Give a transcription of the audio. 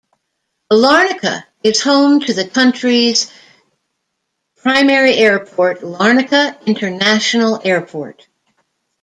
Larnaca is home to the country's primary airport, Larnaca International Airport.